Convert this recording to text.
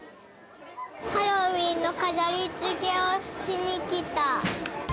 ハロウィーンの飾りつけをしにきた。